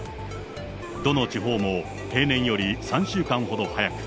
どの地方も平年より３週間ほど早く、